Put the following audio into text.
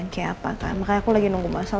kayak apa kan makanya aku lagi nunggu masalah